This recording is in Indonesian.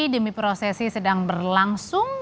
demi prosesi sedang berlangsung